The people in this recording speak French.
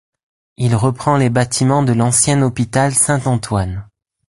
Il reprend les bâtiments de l'ancien hôpital Saint-Antoine.